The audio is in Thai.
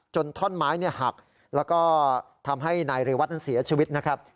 ท่อนไม้หักแล้วก็ทำให้นายเรวัตนั้นเสียชีวิตนะครับ